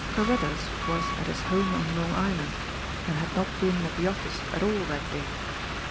Carruthers was at his home on Long Island, and had not been at the office at all that day.